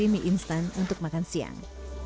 dan membeli mie instan untuk makan siang